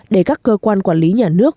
để các cơ quan quản lý nhà nước